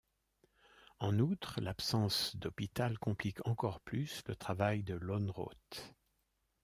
En outre, l'absence d'hôpital complique encore plus le travail de Lönnrot.